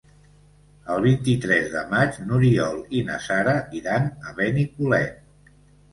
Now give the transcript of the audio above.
El vint-i-tres de maig n'Oriol i na Sara iran a Benicolet.